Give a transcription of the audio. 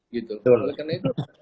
gitu karena itu